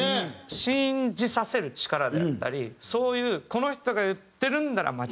信じさせる力であったりそういうこの人が言ってるんなら間違いない。